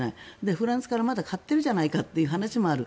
フランスからまだ買ってるじゃないかという話もある。